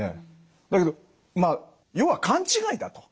だけどまあ要は勘違いだと。